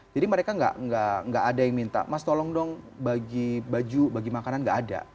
jadi mereka enggak ada yang minta mas tolong dong bagi baju bagi makanan enggak ada